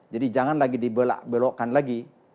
jadi jangan lagi dibelokkan lagi